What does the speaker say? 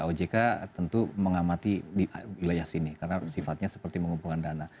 ojk tentu mengamati di wilayah sini karena sifatnya seperti mengumpulkan dana